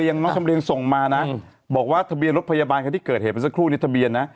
เออฉันว่าจริง